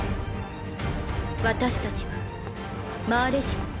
私たちはマーレ人？